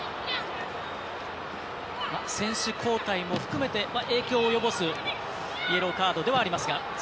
選手交代も含めて影響を及ぼすイエローカードではありますが。